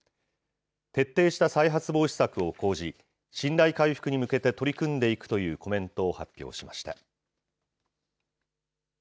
徹底した再発防止策を講じ、信頼回復に向けて取り組んでいくというコメントを発表しました。